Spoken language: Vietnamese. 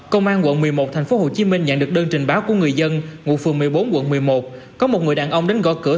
công an quận một mươi một tp hcm nhận được đơn trình báo của người dân ngụ phường một mươi bốn quận một mươi một có một người đàn ông đến gõ cửa